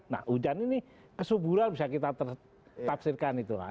nah hujan ini kesuburan bisa kita taksirkan itu aja